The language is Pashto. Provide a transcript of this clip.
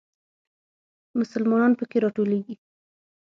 مسلمانان په کې راټولېږي.